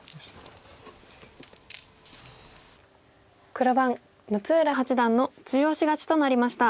黒番六浦八段の中押し勝ちとなりました。